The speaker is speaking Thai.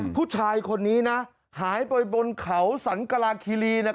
ผู้ชายคนนี้นะหายไปบนเขาสันกราคีรี